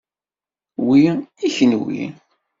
Wi i kenwi.